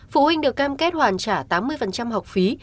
phụ huynh được cam kết hoàn trả tám mươi học phí